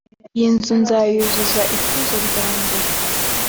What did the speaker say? iyi nzu nzayuzuza ikuzo ryanjye